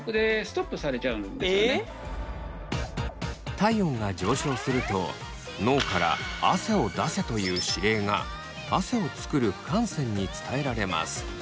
体温が上昇すると脳から「汗を出せ」という指令が汗を作る汗腺に伝えられます。